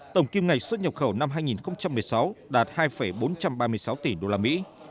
tổng kim ngạch xuất nhập khẩu năm hai nghìn một mươi sáu đạt hai bốn trăm ba mươi sáu tỷ đô la mỹ